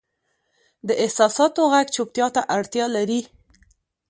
د احساساتو ږغ چوپتیا ته اړتیا لري.